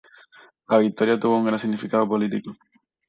La victoria tuvo un gran significado político.